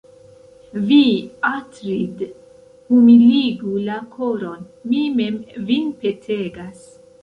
Vi, Atrid', humiligu la koron, mi mem vin petegas.